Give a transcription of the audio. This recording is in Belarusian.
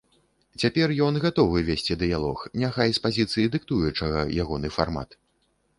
Цяпер ён гатовы весці дыялог, няхай з пазіцыі дыктуючага ягоны фармат.